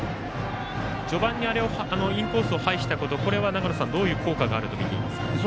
序盤にインコースを配したことこれはどういう効果があると見ていますか。